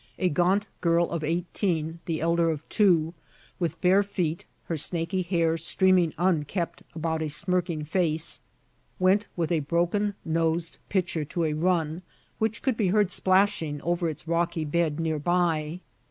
A gaunt girl of eighteen, the elder of two, with bare feet, her snaky hair streaming unkempt about a smirking face, went with a broken nosed pitcher to a run, which could be heard splashing over its rocky bed near by.